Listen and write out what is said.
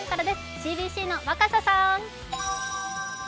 ＣＢＣの若狭さん！